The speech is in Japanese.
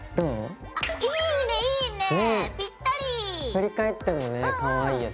振り返ってもねカワイイよね。